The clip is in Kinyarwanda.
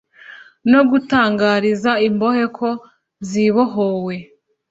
no gutangariza imbohe ko zibohowe